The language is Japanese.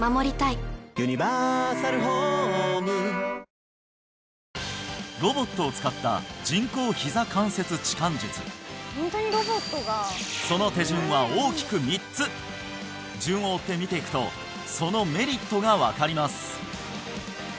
大丈夫大丈夫ロボットを使った人工ひざ関節置換術その手順は大きく３つ順を追って見ていくとそのメリットが分かります